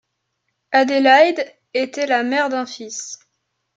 Adelheid était la mère d'un fils.